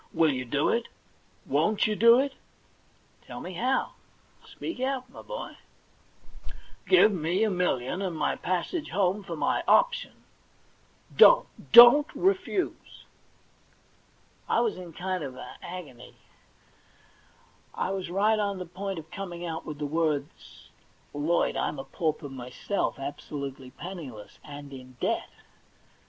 Will you do it ? Won't you do it ?'* Tell me how. Speak out, my boy.' 32 THE £1,000,000 BANK NOTE * Give me a million and my passage home for my * option '! Don't, don't refuse !' I was in a kind of agony. I was right on the point of coming out with the words, * Lloyd, I'm a pauper myself — absolutely penniless, and in deht